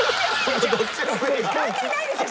関係ないでしょ！